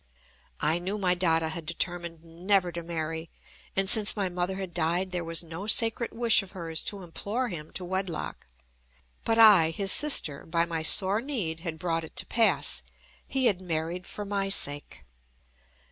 I knew my Dada had determined never to marry. And, since my mother had died, there was no sacred wish of hers to implore him to wedlock. But I, his sister, by my sore need bad brought it to pass. He had married for my sake.